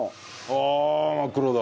ああ真っ黒だ。